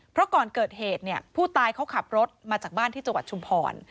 เพราะก่อนเกิดเหตุเนี่ยผู้ตายเขาขับรถมาจากบ้านที่จังหวัดชุมพร